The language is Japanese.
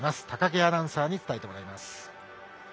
高木アナウンサーに伝えてもらいます。